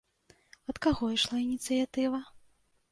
Ад каго ішла ініцыятыва?